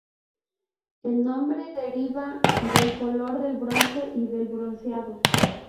El nombre deriva del color del bronce y del bronceado.